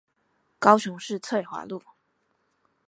高雄市翠華路